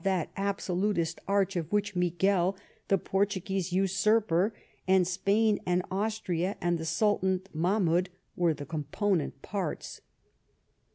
27 that Absolutist aroh of which Miguel, the Portuguese usurper, and Spain, and Austria, and the Sultan Mah moud were the component parts.